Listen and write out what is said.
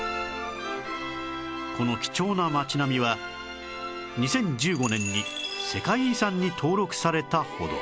この貴重な町並みは２０１５年に世界遺産に登録されたほど